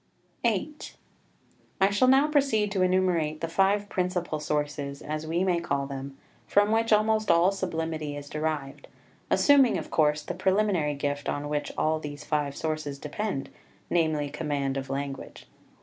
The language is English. VIII I shall now proceed to enumerate the five principal sources, as we may call them, from which almost all sublimity is derived, assuming, of course, the preliminary gift on which all these five sources depend, namely, command of language.